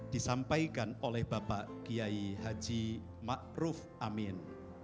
disampaikan oleh bapak kiai haji ma'ruf amin